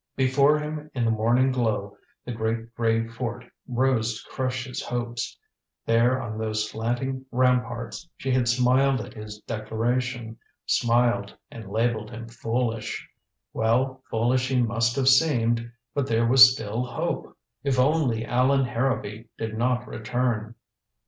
Before him in the morning glow the great gray fort rose to crush his hopes. There on those slanting ramparts she had smiled at his declaration. Smiled, and labeled him foolish. Well, foolish he must have seemed. But there was still hope. If only Allan Harrowby did not return.